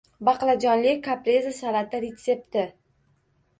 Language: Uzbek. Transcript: Baqlajonli kapreze salati retsepti